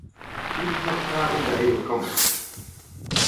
It mar karit a-hed ho kamm.